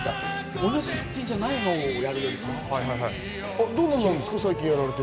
同じ腹筋じゃないのをやるようにしてます。